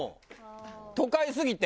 都会すぎて。